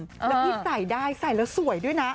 แล้วพี่ใส่ได้ใส่แล้วสวยด้วยนะ